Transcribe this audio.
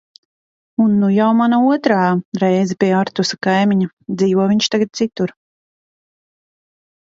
Un nu jau mana otrā reize pie Artusa Kaimiņa, dzīvo viņš tagad citur.